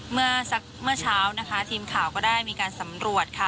เมื่อเช้าทีมข่าวก็ได้มีการสำรวจค่ะ